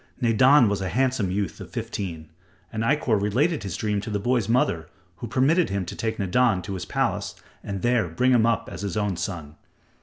Nadan was a handsome youth of fifteen, and Ikkor related his dream to the boy's mother who permitted him to take Nadan to his palace and there bring him up as his own son.